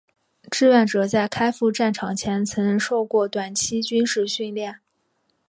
志愿者在开赴战场前曾受过短期军事训练。